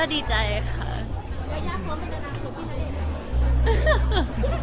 ก็ดีใจค่ะ